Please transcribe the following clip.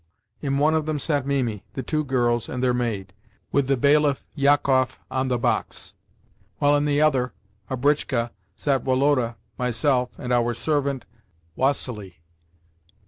In one of them sat Mimi, the two girls, and their maid, with the bailiff, Jakoff, on the box, while in the other—a britchka—sat Woloda, myself, and our servant Vassili.